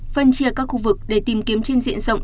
phân chia các khu vực để tìm kiếm trên diện rộng